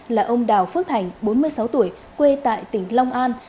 là ông đào phước thành bốn mươi sáu tuổi quê tại tỉnh long an